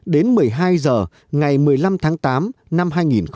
đến một mươi hai h ngày một mươi năm tháng tám năm hai nghìn hai mươi